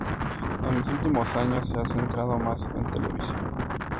En los últimos años se ha centrado más en televisión.